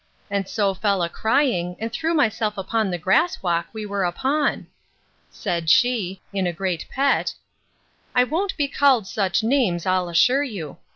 And so fell a crying, and threw myself upon the grass walk we were upon.—Said she, in a great pet, I won't be called such names, I'll assure you.